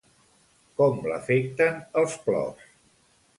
Com l'afecten els plors?